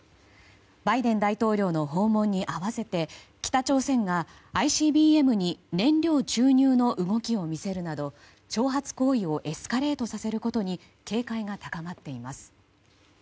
バイデン大統領の訪問に合わせて北朝鮮がＩＣＢＭに燃料注入の動きを見せるなど挑発行為をエスカレートさせることに警戒が高まっています。